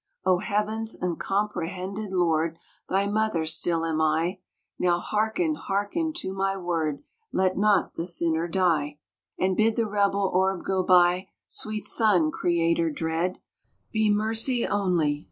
" O heaven's uncomprehended Lord Thy mother still am I. Now hearken, hearken to my word — Let not the sinner die. " And bid the rebel orb go by ; Sweet Son, Creator dread, Be mercy only.